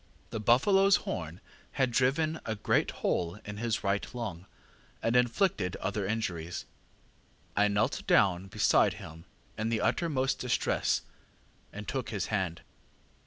The buffaloŌĆÖs horn had driven a great hole in his right lung, and inflicted other injuries. ŌĆ£I knelt down beside him in the uttermost distress, and took his hand.